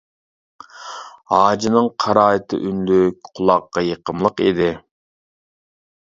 ھاجىنىڭ قىرائىتى ئۈنلۈك، قۇلاققا يېقىملىق ئىدى.